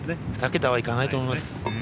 ２桁はいかないと思います。